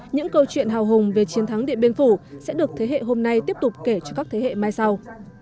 những câu chuyện hào hùng về chiến thắng điện biên phủ sẽ được thế hệ hôm nay tiếp tục kể cho các thế hệ mai sau